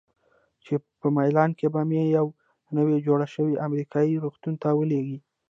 چې په میلان کې به مې یوه نوي جوړ شوي امریکایي روغتون ته ولیږي.